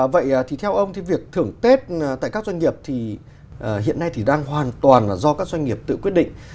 vậy thì theo ông thì việc thưởng tết tại các doanh nghiệp thì hiện nay thì đang hoàn toàn là do các doanh nghiệp tự quyết định